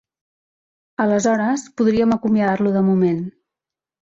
Aleshores, podríem acomiadar-lo de moment.